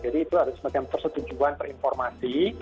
jadi itu harus semacam persetujuan perinformasi